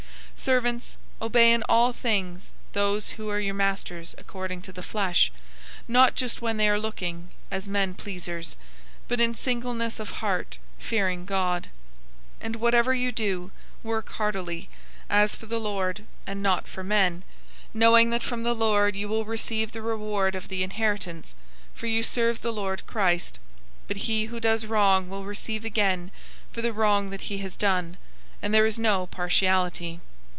003:022 Servants, obey in all things those who are your masters according to the flesh, not just when they are looking, as men pleasers, but in singleness of heart, fearing God. 003:023 And whatever you do, work heartily, as for the Lord, and not for men, 003:024 knowing that from the Lord you will receive the reward of the inheritance; for you serve the Lord Christ. 003:025 But he who does wrong will receive again for the wrong that he has done, and there is no partiality.